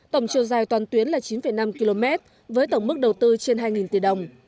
tổng chiều dài toàn tuyến là chín năm km với tổng mức đầu tư trên hai tỷ đồng